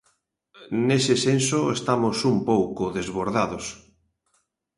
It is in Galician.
Nese senso estamos un pouco desbordados.